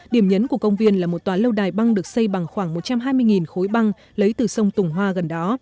điểm nhấn của công viên là một tòa lâu đài băng được xây bằng khoảng một trăm hai mươi khối băng lấy từ sông tùng hoa gần đó